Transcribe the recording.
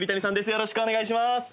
よろしくお願いします。